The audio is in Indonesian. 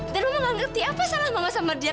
dan mama gak ngerti apa salah mama sama dia